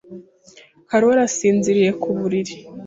Karoli asinziriye ku buriri.